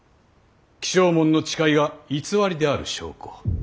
起請文の誓いが偽りである証拠。